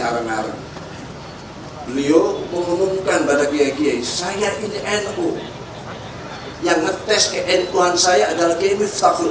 areng areng beliau mengumumkan pada gkg saya ini nu yang ngetes ke nu an saya adalah kemiftakul